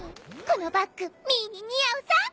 このバッグミーに似合うさ？